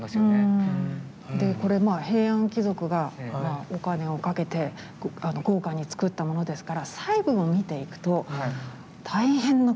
でこれまあ平安貴族がお金をかけて豪華に作ったものですから細部を見ていくと大変なことが分かってきます。